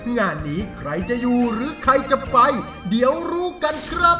งานนี้ใครจะอยู่หรือใครจะไปเดี๋ยวรู้กันครับ